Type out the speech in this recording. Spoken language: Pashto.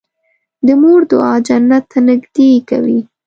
د مور دعا جنت ته نږدې کوي.